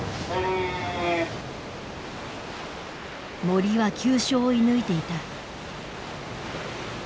もりは急所を射ぬいていた。